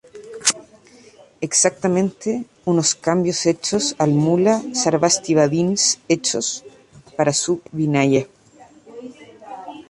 Exactamente unos cambios hechos al Mula-sarvastivadins hechos para su Vinaya.